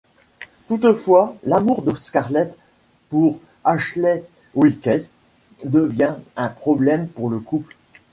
Toutefois, l'amour de Scarlett pour Ashley Wilkes devient un problème pour le couple.